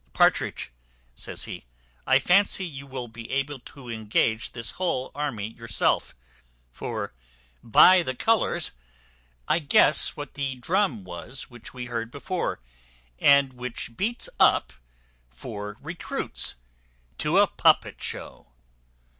"Partridge," says he, "I fancy you will be able to engage this whole army yourself; for by the colours I guess what the drum was which we heard before, and which beats up for recruits to a puppet show."